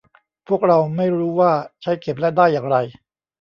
พวกเราไม่รู้ว่าใช้เข็มและด้ายอย่างไร